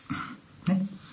ねっ。